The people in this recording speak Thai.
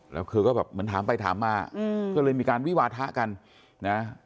แล้วเธอก็แบบเหมือนถามไปถามมาก็เลยมีการวิวาทะกันนะ